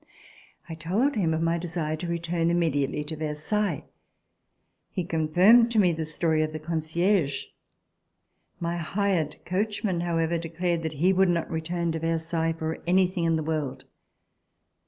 I told him of my desire to return immediately to Versailles. He confirmed to me the stor}^ of the concierge. My hired coachman, however, declared that he would not return to Versailles for anything in the world.